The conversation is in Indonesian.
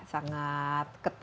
sangat ketat ya